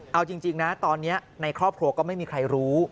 เอาจริงนะตอนนี้ในครอบครัวก็ไม่มีใครรู้